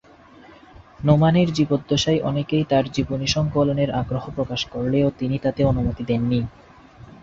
নোমানীর জীবদ্দশায় অনেকেই তার জীবনী সংকলনের আগ্রহ প্রকাশ করলেও তিনি তাতে অনুমতি দেননি।